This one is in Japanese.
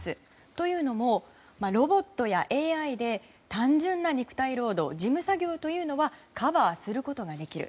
というのも、ロボットやＡＩで単純な肉体労働事務作業というのはカバーすることができる。